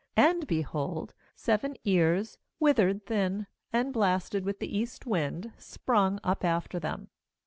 ^And, behold, seven ears, withered, thin, and blasted with the east wind, sprung up after them.